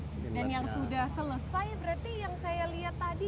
dan yang sudah selesai berarti yang saya lihat tadi